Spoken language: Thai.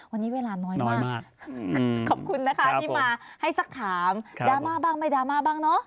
วันนี้เวลาน้อยมากขอบคุณนะคะที่มาให้สักถามดราม่าบ้างไม่ดราม่าบ้างเนอะ